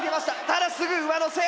ただすぐ上乗せ！